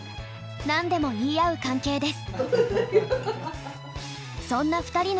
何でも言い合う関係です。